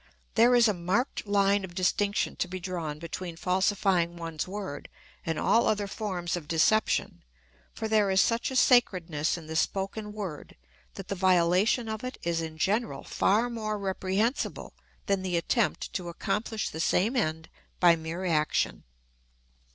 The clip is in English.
There is a marked line of distinction to be drawn between falsifying one's word and all other forms of deception, for there is such a sacredness in the spoken word, that the violation of it is in general far more reprehensible than the attempt to accomplish the same end by mere action.